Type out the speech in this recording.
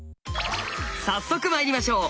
早速まいりましょう！